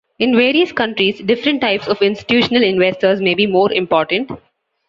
In various countries different types of institutional investors may be more important.